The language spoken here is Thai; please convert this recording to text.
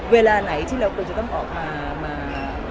เวลาไหนที่เราควรจะต้องออกมา